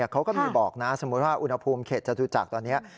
เขาก็มีบอกนะสมมุติว่าอุณหภูมิเขตจตุจักรตอนนี้